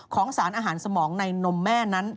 สารอาหารสมองในนมแม่นั้น